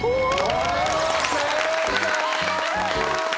これも正解。